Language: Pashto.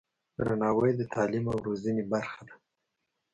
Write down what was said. درناوی د تعلیم او روزنې برخه ده.